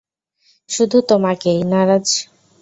শুধু তোমাকেই, - না রাজ।